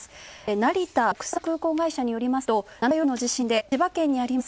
成田国際空港会社によりますと、７日夜の地震で千葉県にあります